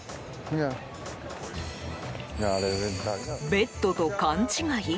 ベッドと勘違い？